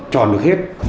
chọn được hết